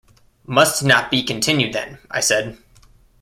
‘Must not be continued, then,’ I said.